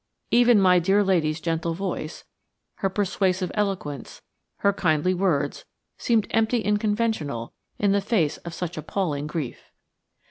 Even my dear lady's gentle voice, her persuasive eloquence, her kindly words, sounded empty and conventional in the face of such appalling grief.